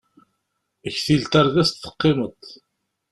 Ktil tardest teqqimeḍ.